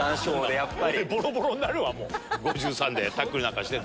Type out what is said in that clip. やっぱり。